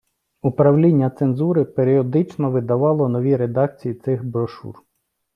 Управління цензури періодично видавало нові редакції цих брошур.